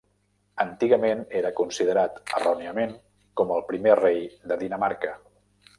Antigament era considerat, erròniament, com al primer rei de Dinamarca.